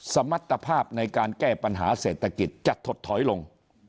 สมรรถภาพในการแก้ปัญหาเศรษฐกิจจะถดถอยลง